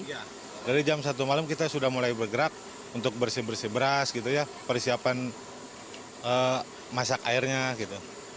iya dari jam satu malam kita sudah mulai bergerak untuk bersih bersih beras gitu ya persiapan masak airnya gitu